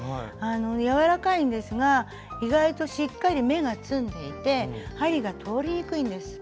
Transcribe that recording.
柔らかいんですが意外としっかり目がつんでいて針が通りにくいんです。